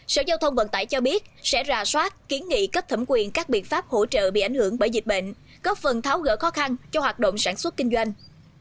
sở giao thông vận tải cho biết sẽ ra soát kiến nghị cấp thẩm quyền các biện pháp hỗ trợ bị ảnh hưởng bởi dịch bệnh góp phần tháo gỡ khó khăn cho hoạt động sản xuất kinh doanh